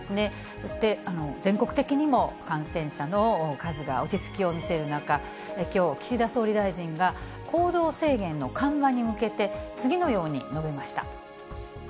そして、全国的にも感染者の数が落ち着きを見せる中、きょう、岸田総理大臣が、行動制限の緩和に向けて、次のように述べました。